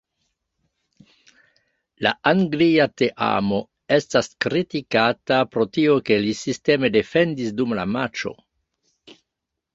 La Anglia teamo estas kritikata pro tio, ke li sisteme defendis dum la matĉo.